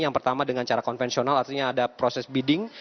yang pertama dengan cara konvensional artinya ada proses bidding